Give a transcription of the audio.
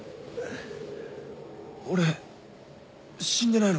俺死んでないのか？